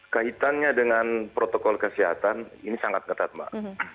kaitannya dengan protokol kesehatan ini sangat ketat mbak